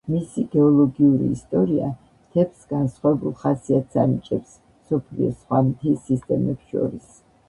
მისი გეოლოგიური ისტორია, მთებს განსხვავებულ ხასიათს ანიჭებს მსოფლიოს სხვა მთის სისტემებს შორის.